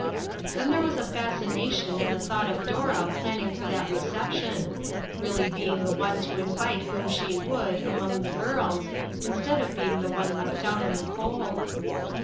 Then there was a fascination in the thought of Dora planning for that reception really being the one to invite whom she would among " the girls," instead of being the one left out in the cold.